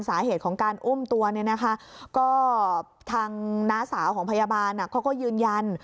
สาเหตุของการอุ้มตัวทางน้าสาวของพยาบาลเขาก็ยืนยัน